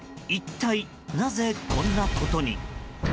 一体なぜこんなことに。